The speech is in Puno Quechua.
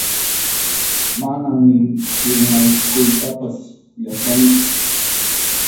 Manan ni firmaykuytapas yachanichu